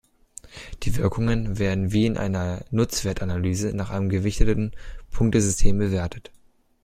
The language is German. Die Wirkungen werden wie in einer Nutzwertanalyse nach einem gewichteten Punktesystem bewertet.